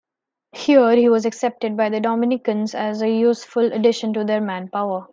Here he was accepted by the Dominicans as a useful addition to their manpower.